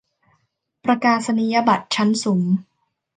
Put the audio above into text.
ประกาศนียบัตรชั้นสูง